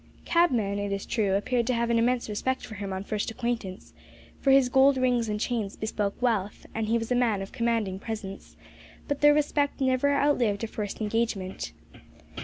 Cabmen, it is true, appeared to have an immense respect for him on first acquaintance, for his gold rings and chains bespoke wealth, and he was a man of commanding presence, but their respect never outlived a first engagement.